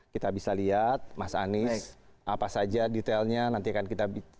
kita bisa lihat mas anies apa saja detailnya nanti akan kita